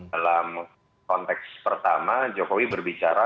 dalam konteks pertama jokowi berbicara